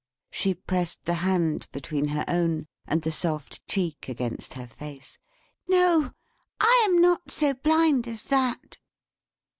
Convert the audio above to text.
she pressed the hand between her own, and the soft cheek against her face. "No! I am not so Blind as that."